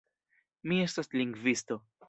Mi estas lingvisto.